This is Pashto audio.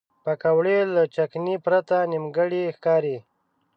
پکورې له چټنې پرته نیمګړې ښکاري